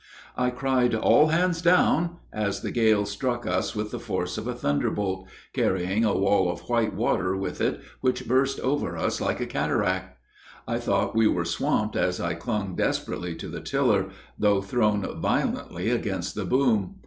I cried, "All hands down!" as the gale struck us with the force of a thunderbolt, carrying a wall of white water with it which burst over us like a cataract. I thought we were swamped as I clung desperately to the tiller, though thrown violently against the boom.